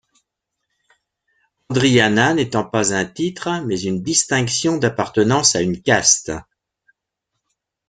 Andriana n'étant pas un titre mais une distinction d'appartenance à une caste.